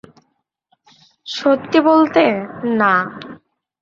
সত্যি বলতে, না।